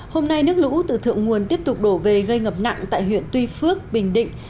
hôm nay nước lũ từ thượng nguồn tiếp tục đổ về gây ngập nặng tại huyện tuy phước bình định